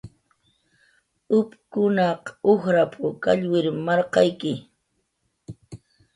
"upkunaq ujrap"" kallwir marqayki"